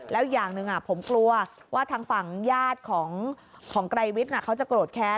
แล้วอย่างหนึ่งผมกลัวว่าทางฝั่งญาติของไกรวิทย์เขาจะโกรธแค้น